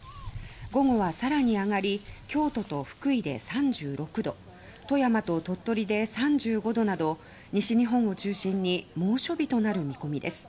午後はさらに上がり京都、福井で３６度と大和鳥取で３５度など西日本を中心に猛暑日となる見込みです。